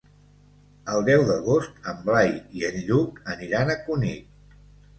El deu d'agost en Blai i en Lluc aniran a Cunit.